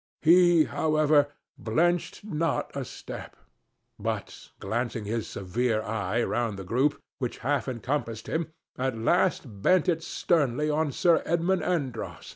He, however, blenched not a step, but, glancing his severe eye round the group, which half encompassed him, at last bent it sternly on Sir Edmund Andros.